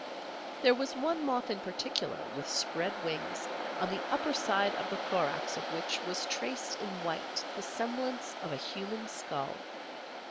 There was one moth in particular, with spread wings, on the upper side of the thorax of which was traced in white the semblance of a human skull.